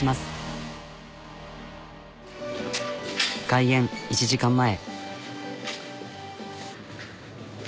開園１時間前。